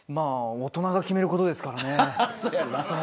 大人が決めることですからね。